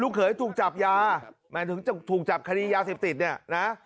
เขยถูกจับยาหมายถึงถูกจับคดียาเสพติดเนี่ยนะ